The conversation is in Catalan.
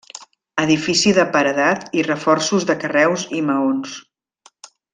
Edifici de paredat i reforços de carreus i maons.